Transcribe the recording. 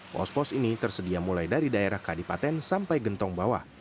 pos pos ini tersedia mulai dari daerah kadipaten sampai gentong bawah